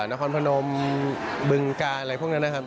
อะไรพวกนั้นนะครับ